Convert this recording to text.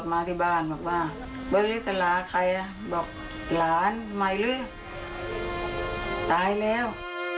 มาที่บ้านบอกว่าเบอร์นี้จะลาใครนะบอกหลานใหม่หรือตายแล้ว